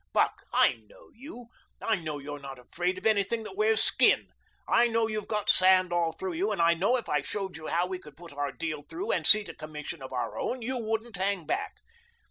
Buck, I know you. I know you're not afraid of anything that wears skin. I know you've got sand all through you, and I know if I showed you how we could put our deal through and seat a Commission of our own, you wouldn't hang back.